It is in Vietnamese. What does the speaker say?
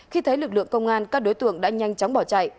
khi thấy lực lượng công an các đối tượng đã nhanh chóng bỏ chạy